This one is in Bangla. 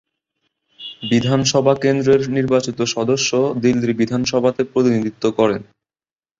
বিধানসভা কেন্দ্রের নির্বাচিত সদস্য দিল্লির বিধানসভাতে প্রতিনিধিত্ব করে।